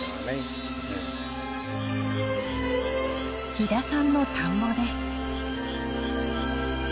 飛田さんの田んぼです。